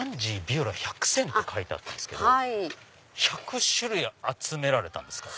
ビオラ１００選って書いてあったんですけど１００種類集められたんですか？